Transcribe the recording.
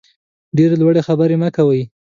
ډېرې لوړې خبرې مه کوئ.